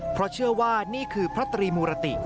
เพราะเชื่อว่านี่คือพระตรีมูรติ